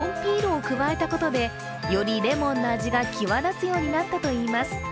更に新たにレモンピールを加えたことで、よりレモンの味が際立つようになったといいます。